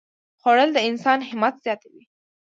خوړل د انسان همت زیاتوي